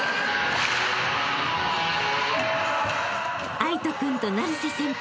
［藍仁君と成瀬先輩］